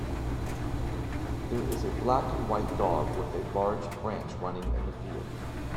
There is a black and white dog with a large branch running in the field.